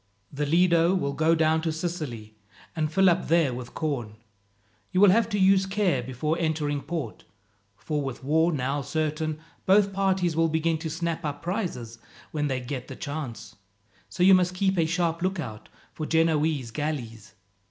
"The Lido will go down to Sicily, and fill up there with corn. You will have to use care before entering port, for with war now certain, both parties will begin to snap up prizes when they get the chance. So you must keep a sharp lookout for Genoese galleys.